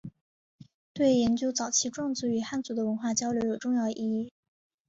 对研究早期壮族与汉族的文化交流有重要意义。